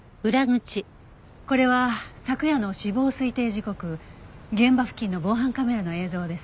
これは昨夜の死亡推定時刻現場付近の防犯カメラの映像です。